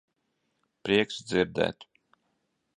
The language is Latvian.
Prieks dzirdēt.